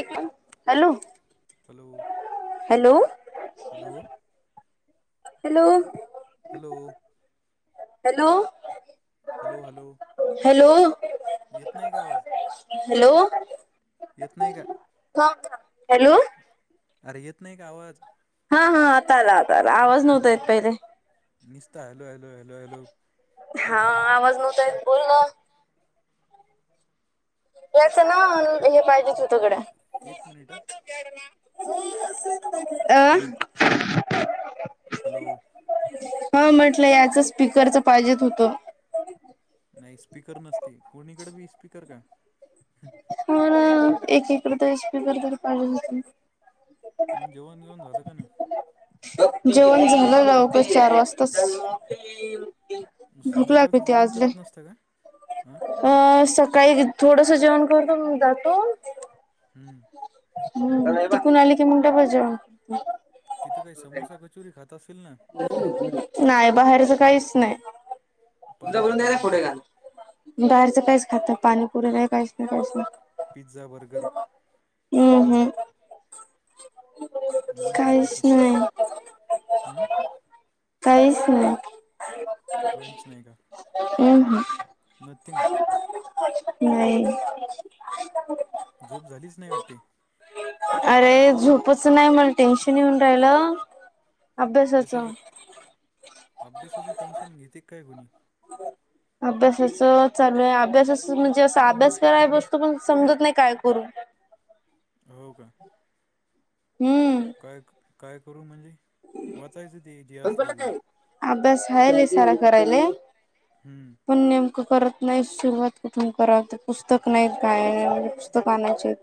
एक hello hello hello hello hello hello hello hello hello hello येेत नाई का आवाज? हॅलो इत नाही का? हो हॅलो अरे येत नाही का आवाज? हा हा आता आला आता आला आवाज नव्हताय पहिले. निस्ता हॅलो हॅलो हॅलो हॅलो हा आवाज नव्हतायेत बोल ना. याचं ना हे पाहिजेच हो तुकडें एक मिनिट अं हॅलो हा म्हटलं याच स्पीकरच पाहिजे होतं. नाही स्पीकर नसती कोणीकडे बी स्पीकर का. हो ना एकेकर तरेकररी पा मग जेवण घेऊन झालं का नाही? जेवण झालं लवकर चार वाजताच. भूक संध्याकाळच लागली होती जेवण आज लय करत नसतं काय आ? अ सकाळी थोडस जेवण करतो न जातो हम्म. ह तिकून आली की म डबल जेवण ते तिथं काय समोसा भे चुरी खात असील. नाय बाहेरच काहीच नाय. [inaudible] पाणीपुरी बाहेरचं काहीच खातात पाणी पुरी नाय काहीच नाय काहीच नाय. Pizza burger. हम्म हम्म. मग काय खात काहीच असता. नाही हम्म? काहीच नाही. काहीच नाही का [inaudible] नथिंग नाही झोप झालीच नाही वाटते? अरे झोपच नाही मला टेन्शन येऊन राहिलं अभ्यासाचं कशाच अभ्यासाच टेन्शन घेते काय कोणी. [unintelligible] अभ्यासाच चालू आहे अभ्यासाच म्हणजे अस अभ्यास कराय बसतो पण अस समजत नाही काय करू. हो का. हम्म. काय काय करू म्हणजे? वाचायचं ते जे असलं ते अभ्यास आहेले सारा करायले. हम्म. पण नेमकं करत नाही सुरुवात कुठून कराव ते पुस्तक नाहीत काय पुस्तक आणायचे येत.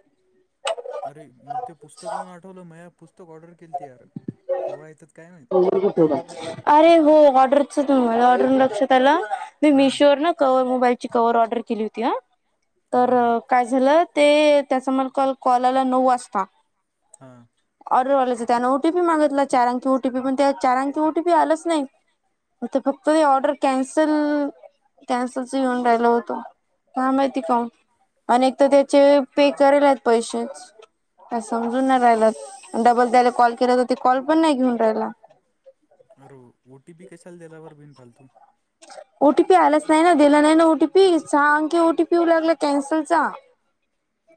अरे मग ते पुस्तकहून आठवलं मी ह पुस्तक ऑर्डर केली त यार कव्हा येतात काय माहीत. अरे हो ऑर्डरच मला [unintelligible] त्याला मी हम्म मीशो वरण कव मोबाईलची कव्हर ऑर्डर केली होती आ हां तर हां काय झालं ते त्याचा मला काळ कॉल आला नऊ वाजता हा. ऑर्डरवाल्याच त्यानं ओ टी पी मागितला चार अंकी ओटीपी पण त्या चार अंकी ओटीपी आलंच नाही. तर फक्त त ऑर्डर कॅन्सल कॅन्सलचं येऊन राहिल होतो काय माहिती का ऊन. अनेक तर त्याचे पे करेल पैसेच काय समजून नाय राहिला डबल त्याले कॉल केला तर ते कॉल पण नाय घेऊन राहायला. अर ओ टी पी कशाला दल्यावर बिन फालतू. ओ टी पी आलाच नाही ना दिला नाही ना ओटीपी सहा अंकी ओटी पी येऊ लागला कॅन्सलचा.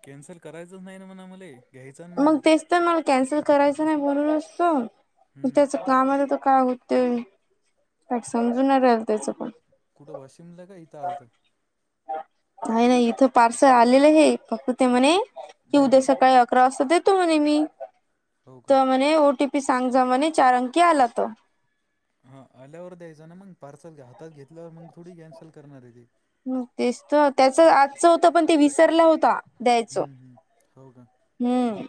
कॅन्सल करायच नाही ना मण आम्हाले. मग तेच तर ना कॅन्सल करायचं नाही बोलूनचतो हम्म त्याच कामाचा तर काय होते काय समजून राहील त्याच पण. कुठ वाशिमला का इथं आलतं? नाही नाही इथं पार्सल आलेलं हे फक्त ते म्हणे कि हम्म उद्या सकाळी अक रा वाजता देतो म्हणे मी हो का तर म्हणे ओ टी पी सांग जा म्हणे चार अंकी आला त. हा आल्यावर द्यायचं ना मग पार्सल, हातात घेतल्यावर मग थोडी कॅन्सल करणार हाय ते. ह तेच तर त्याच आजच होत पण, ते विसरला होता द्यायच. हम्म हम्म हो का हुं.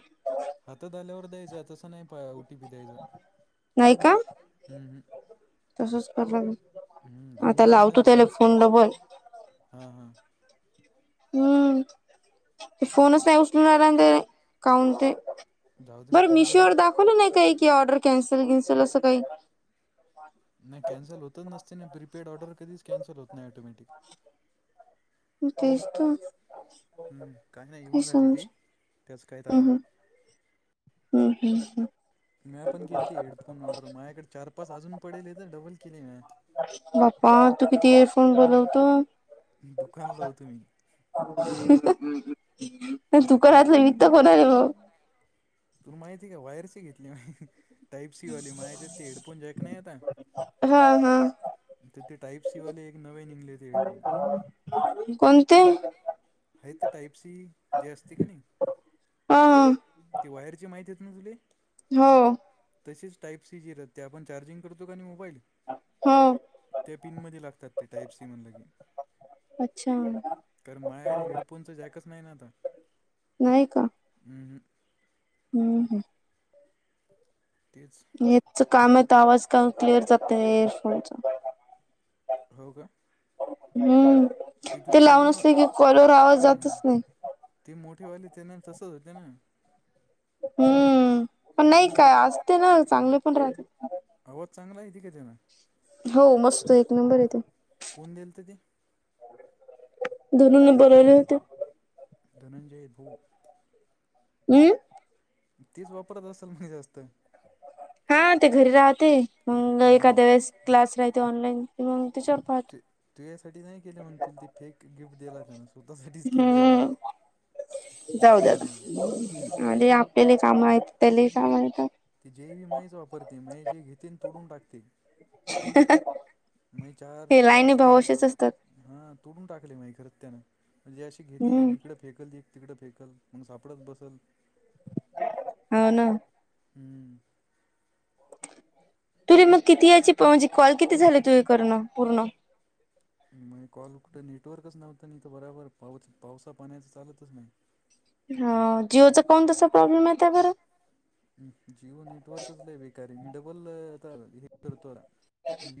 हातात आल्यावर द्यायचां, तसं नाही पा ओटीपी द्यायचा. नाही का? हम्म हम्म तसच करल, हम्म घेऊन आता लावतो त्याले फोन डबल हा हा. हम्म, ते फोनच नाही उचलून राहणार ते काऊन ते. जाऊ दे ना बरं फोन कशा मिशोवर दाखवलं नाही, काही की ऑर्डर कॅन्सल बिनसल असं काही. नाही कॅन्सल होतच नसते ना, प्रीपेड ऑर्डर कधीच कॅन्सल होत नाही ऑटोमॅटिक. तेचं तर. हम्म, काय नाही घेऊन जाते, समज ती त्याच काही ताण नाही. ह ह ह. म्या पण केलती, हेडफोन ऑर्डर माझ्याकडे चार पाच अजून पडले हायते डबल केली म्या बाप्पा! तू किती एअरफोन बदलतो? दुकानला होतो मी नाही तु हं, घरात नाही, म इथं आहे म? तुला माहिती का? वायरची घेतल्या मी. टाईपसी वाली माझ्याकडं हेडफोन जे आहे की नाही आता. हा हा तिथं ते टाईप सीवाले एक नवे निघले ते हेडफोन. कोणते? हाय ते टाईप सी जे असते की नाही. हा हा ती वायर ची माहिती आहेत ना तुले? हो. तसेच टाईप सी जी राहते, आपण चार्जिंग करतो क नाही मोबाईल. हो त्या पिनमध्ये लागतात, ती टाईप सी म्हणलं की. अच्छा तर माझ्या ह्याला हेडफोनचं जॅकच नाही ना, आता. ह ह. ह ह. तेच याच काम आहे तर, आवाज का क्लिअर जात नाही एयरफोनचा. हो का? हम्म ते तुला लावून दिलं ना असले की, कॉलवर आवाज जातच नाही. ती मोठी वाली त्यान तस होतय ना. हुंम्म पण नाही त्याचा काय असते ना, हां चांगले पण राहते. आवाज चांगला येतय का त्यान हो मस्त एक नंबर येते. कोण दिलं तर ते घरून बनवले होते. धनंजय भाऊ. उ. तीच वापरत असल काय जास्त. हा ते घरी राहते, मग हम्म, एखाद्या वेळेस क्लास राहते ऑनलाईन. मग त्याच्यावर पाहत ते तुझ्यासाठी नाही केले म्हण, तुला ते फेक गिफ्ट दिला त्यानं स्वतःसाठीच केलती ऑर्डर. हम्म जाऊ दे हां आणि आपल्याले काम आहेत त्यालेही काम आहेत. ती जेवी म्हयिच वापरते, म्हयीच जे घेते तोडून टाकते. [inaudible] मई चार हे लाईनी भाऊ पाचतेनांत असेच असतात [unintelligible] हा तोडून टाकले माहि, खरं त्यान म्हणजे अशी घेते हम्म एक फेकल जे तिकडं फेकल मगून सापडत बसल. हो ना. हम्म तरी मग किती यायचीत म्हणजे कॉल किती झाली तुझे करून पूर्ण मग कॉल कुठं नेटवर्कच नव्हतं नाही तर बराबर पावच पावसा पाण्याचं चालतच नाही हा जिओचा कोण तसा प्रॉब्लेम आहे त्या बर ् जिओ नेटवर्कच ला बेकारे मी डबल हे करतोला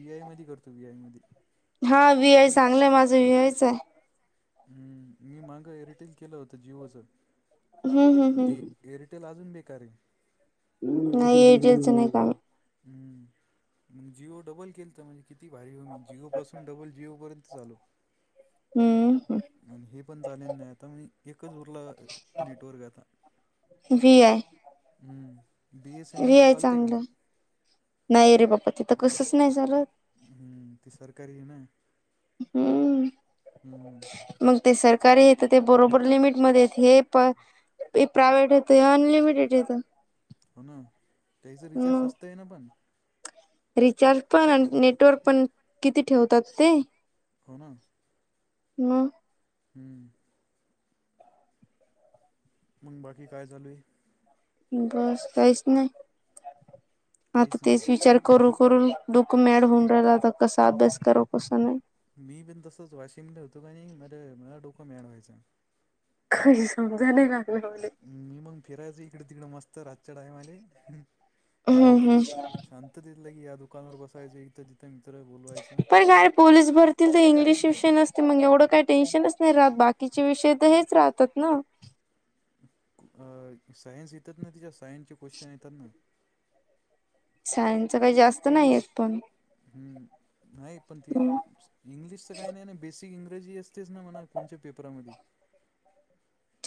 बीआय मध करतो बीआय म हा व आय चांगलंय माझं व आयच आहे हम्म मी मागं एअरटेल केलं होतं जिओच हम्म हम्म प ते हम्म एअरटेल अजून बेकार नाही येटचं नाही काम हम्म मग जिओ डबल केल तर म्हणजे किती भारीभूमी जिओपसून डबल जिओपर्यंत चालू हम्म ह आणि हे पण झालेलं नाही आता म एकच उरला नेटवर्क आता व्ही आय हम्म ब एस एन व्ही एलचा आय चलते का चांगलं नाही रे बा्पा तिथं कसंच नाही झालं हम्म ते सरकारी आहे ना हम्म हम्म मग ते सरकारी हे तर ते बरोबर लिमिटमध्ये हे प प्रायवेट आहेे ते अनलिमिटेड आहेे ते हो ना त्याचं रिचार्ज स्वस्त आहे ना पण रिचार्ज पण आणि नेटवर्क पण किती ठेवतात ते हो ना म हम्म मग बाकी काय चालू आहे बस काहीच नाही आता काहीच तेच नाही. विचार करू करु दुःख मॅड होऊन राला तर कसा बस करो कस नाही मी पण तसच वाशिमने होतो का नाही मला मला डोकं मिळवायच काही समजा नाही लागलं मी मग फिरायचं इकडं तिकडं मस्त रातच्या टायमले हम्म हम्म शांततेत शांत इथं तथलं की या दुकानावर बसायचं इथं तिथं मित्र बोलवायचं पण काय पोलीस भरतील तर इंग्लिश विषय नसते मग एवढं काही टेन्शनच नाही राहत बाकीचे विषय तर हेच राहतात ना सायन्स येतात ना तिच्या सायन्सचे क्वेश्चन येतात ना सायनच काही जास्त नाहीयेत पण हम्म नाही पण तेी इंग्लिश तर काही नाही ना बेसिक इंग्रजी असतेच ना म्हणा कोण्या पेपरामध्ये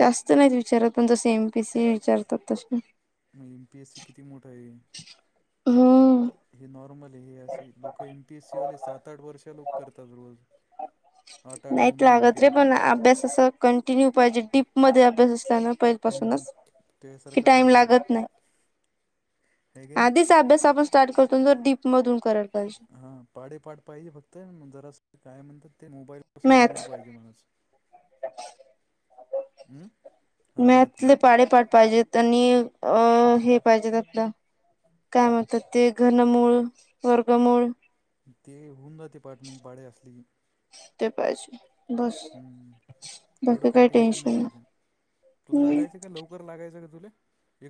जास्त नाहीत विचारत पण जस एम पीसी विचारतात तस मग एम पी एस सी किती मोठा आहे हो हे नॉर्मल हे असे लोकं एमपी एस सीवाले सात आठ वर्ष लोक करतात रोज ह आठ आठ नऊ नाहीत नऊ लागत घंटे रे पण अभ्यास अस कंटिन्यू पाहिजे डीप मध्ये अभ्यास असताना पाून हम्म. त्यासारखं टाइम पाहिजे लागत नाही हे की नाही आधीच अभ्यास आपण स्टार्ट करतो तर डीप मधून कराल पाहिजे हा पाडे पाठ पाहिजे फक्त जरा काय म्हणतात ते मोबाईल सून दूर मॅथ पाहिजे माणज हम् मॅतले पाडे पाठ पाहिजेत आणि अ हे पाहिजेततलं काय म्हणतात ते घनमूळ वर्गमूळ ते हुंदर ते पाारठ म्हण पाडे असली ते पाहिजे बस हा एवढं काही टेन्शन नाही घ्यायचं. तू नाही लागायच का लवकर लागायचं का तुले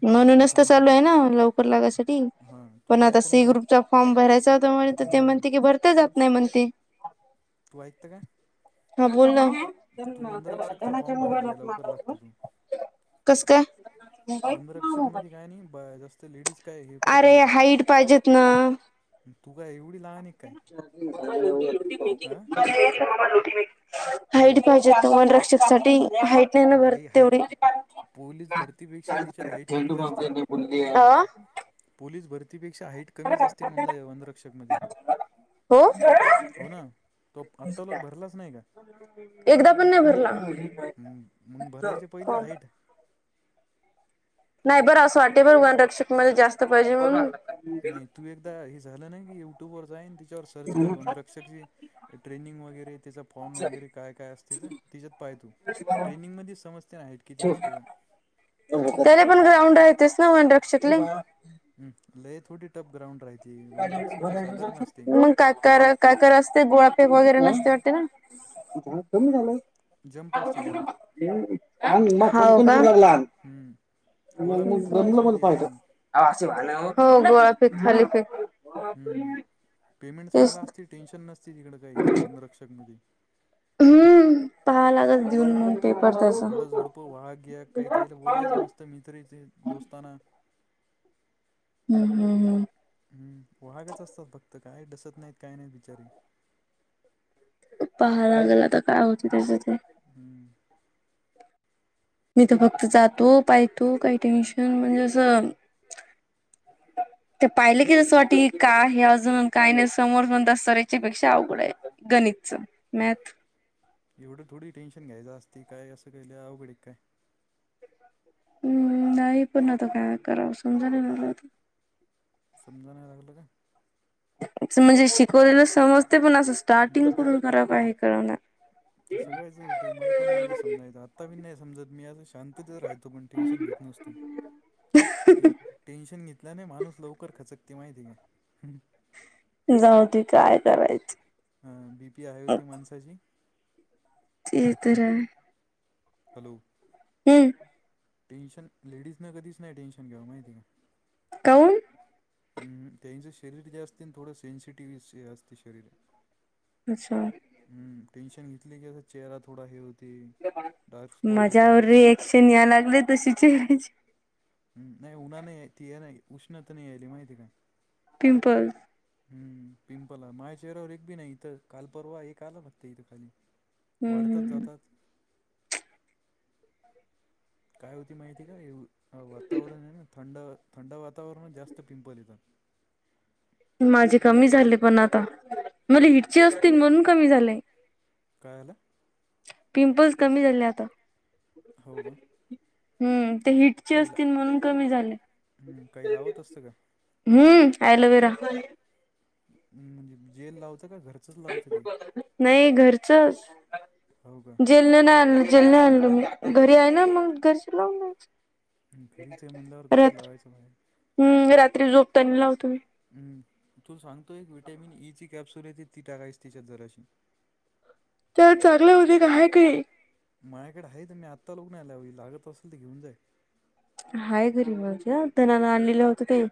म्हणूनच तर चालू आहे ना लवकर लागायसाठी हां तू पण काय आता कर सी माहीत ग्रुपचा फॉर्म भरायचा होता म्ह तर हम्म, ते हम्म. म्हणते की भरते जात नाही म्हणते, तू ऐकत काय? हा बोल ना. वनरक्षक चा फॉर्म भरून राहील लवकर होते. कस काय? शिक्क म काय नाही जस्त लेडीज काय हे करत अरे हाईट पाहिजेत ना त का एवढी लहान आहे काय आरे हाईट पाहिजेत हां ना हाईट हॅलो पाहिजे वन रक्षक साठी हाईट नाही ना भर बाई हाय तेवढी पोलीस भरतीपेक्षा चाल त्याच्यात हाईट झेंडू कमीच असते ममजनी बोलली आहे. पोलीस भरतीपेक्षा हाईट कमीच असते म्हणलाय वनरक्षक मध होखरंच हो ना तो आत्ता लोक भरलाच नाही का? एकदा पण नाही हम्म मग भरला. भरायचे पहिलेच हाईट नाही बरं असं वाटे बर वन रक्षक मध्ये जास्त पाहिजे म्हणून, नाही तू एकदा हे झालं नाही की युट्यूब वर जाईन तिच्यावर सर्च कर म्हण रक्षकी ट्रेनिंग वगैरे त्याचा फॉर्म वगैरे काय काय असते तर तिच्यात पाहतू ट्रेनिंगमध्ये समजते नाही आहेत किती असते. त्याला पण ग्राउंड राहतेस ना मनरक्षकले ह लय थोडी टफ ग्राउंड राहती वनरक्षकली साधारण असते. का काकर असते गोळाफेक वगैरे नसते वाटते ना. जंप असते जंप हाऊ का? हम्म म गोळाफेक जमलं पोलीसमध्ये पाहि असते हो गोळाफेक खालीपेक हम्म पेमेंट तेच चांगला असतील टेन्शन नसती तिकड काही वनरक्षक मध्ये हम्म पहाव लागल देऊन मग पेपर तसा झाडं तर मी तरी ते दोस्तांना हम् हम हम्म वागच असतात फक्त काय डसत नाहीत काय नाहीत बिचारी पहायला गेला तर काय होत त्याच्या ते हम्म मी तर जातो पाहतो म्हणजे टेन्शन म्हणलं तर ते पाहिले की जसं वाट काय हे अजून काय नाही समोर स दसतऱ्याच्या पेक्षा अवघड आहे. गणितच मॅथ एवढं थोडी टेन्शन घ्यायचं असती काय असं केलं आवघडीक काय हम्म नाही पुन्हा त काय करावं समजाणलाता समजा नाही लागलं का? म्हणजे शिकवलेलं समजते पण असं हम्म स्टार्टिंग करून खराक आहे करवणार ते सगळयच होते मला पण नवतं समजायच आताी नाही समजत मी आ शांत तर राहतो पण टेन्शन घेत नसतो. टेन्शन घेतल्याने माणूस लवकर खचकते माहिती का? जाऊ दे काय करायचं हा बी पी आहे होती माणसाची ते तररकाय आहे. हॅलो हम्म टेन्शन लेडीज न कधीच नाही टेनशन घेव माहिती का? कौण.... हम्म त्यांचं शरीर जास्त थोडं सेन्सिटिव्ह असते शरीर... अच्छा... हम्म टेन्शन घेतली की अस चेहरा थोडा हे होती... माझ्यावर रिएक्शन या लागले तशीज... हम् नाही उन्हा नाही त नाही उष्णता नाही यायली माहिती काय... पिंपल.... हम् पिंपलला माझ्या चेहऱ्यावर एक बी नाही इथ काल परवा एक आलं फक्त इथं खाली... ह... वाढतात जातात... काय होती माहिती का वातावरण आहे ना थंड थंड वातावरण जास्त पिंपल येतात... माझे कमी झाले पण आता मला हिटची असतील म्हणून कमी झालेय... काय झालं? पिंपल्स कमी झाले आता... हो का... हम् ते हि... काही अस ला म्हणून क झा हम्म, काही लावत असतं का हम ॲलोवेरा... म्हणजे जेल लावचं का घर... नाही घरच जे... हो का जल नाही आणलं जे आणलं घरी आहे ना मग घरच्या लावूनयच... हम्म, घरीच आहे म्हणल्यावर कशाला रात लावायचं बाहेर हम्म रात्री झोपतानी लावतु म्ही... तू सांगतो एक विटॅमिन ईची कॅप्सूल येते ती टाकायस तिच्या जराशी... त्या चांगलं उदिक आहे काय? माझ्याकडे आहे तर मी आत्ता लागत आल्यावी लागत असेल तर घेऊन जाय.... हाय घरी माझ्या तनाला आणलेलं होतं ते....